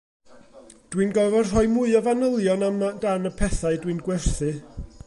Dwi'n gorfod rhoi mwy o fanylion amdan y pethau dwi'n gwerthu